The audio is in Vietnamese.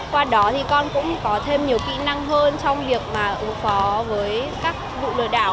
qua đó thì con cũng có thêm nhiều kỹ năng hơn trong việc mà ứng phó với các vụ lừa đảo